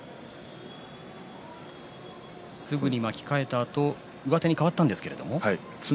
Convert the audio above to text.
すぐに巻き替えたあと上手に変わったんですけれど。